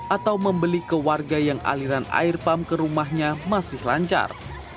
atau membeli ke warga yang aliran air pump ke rumahnya masih lancar